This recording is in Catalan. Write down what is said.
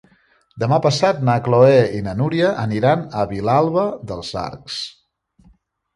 Demà passat na Chloé i na Núria aniran a Vilalba dels Arcs.